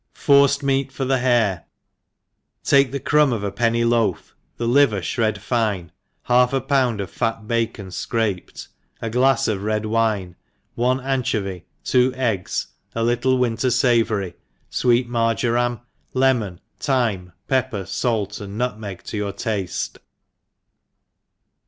Forcemeat for the hare ENGLISH HOUSE.KEEPE^l. 137 hare :— take the crumb of a penny loaf, the liver fhred fine, half a pound of fat bacon fcraped^ a glafs of red wine, one anchovy, two eggs, a little winter fevory, fweet marjoram, lemon thyme, pepper, fait, and nutmeg to your tafte.